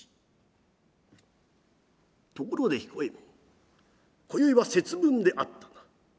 「ところで彦右衛門こよいは節分であったな。